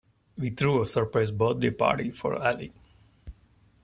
We threw a surprise birthday party for Ali.